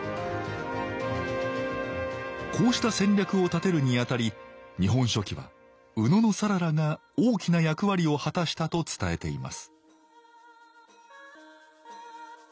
こうした戦略を立てるにあたり「日本書紀」は野讃良が大きな役割を果たしたと伝えています